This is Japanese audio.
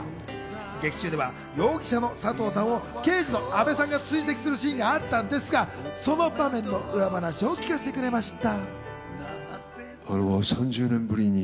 劇中では容疑者の佐藤さんを刑事の阿部さんが追跡するシーンがあったんですが、その場面の裏話を教えてくれました。